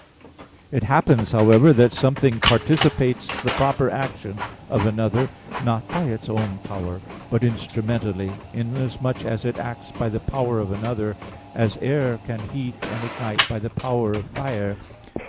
It happens, however, that something participates the proper action of another, not by its own power, but instrumentally, inasmuch as it acts by the power of another; as air can heat and ignite by the power of fire.